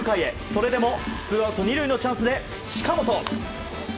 それでもツーアウト２塁のチャンスで近本。